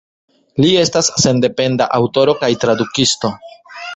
Li estas sendependa aŭtoro kaj tradukisto.